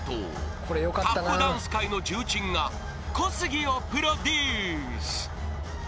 ［タップダンス界の重鎮が小杉をプロデュース］